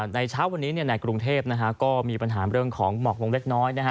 เช้าวันนี้ในกรุงเทพก็มีปัญหาเรื่องของหมอกลงเล็กน้อยนะฮะ